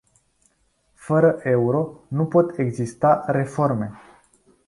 Fără euro nu pot exista reforme.